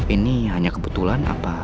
ini hanya kebetulan apa